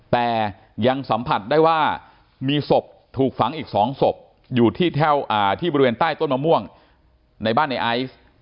แต่ยังสัมผัสได้ว่ามีศพถูกฝังอีก๒ศพอยู่ที่บริเวณใต้ต้นมะม่วงในบ้านในไอซ์